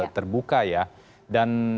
terbuka ya dan